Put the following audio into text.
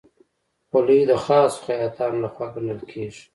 خولۍ د خاصو خیاطانو لهخوا ګنډل کېږي.